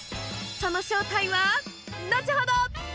その正体は後ほど。